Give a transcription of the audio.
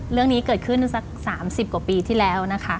เรื่องนี้เกิดขึ้นสัก๓๐กว่าปีที่แล้วนะคะ